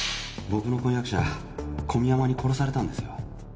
僕の婚約者小宮山に殺されたんですよ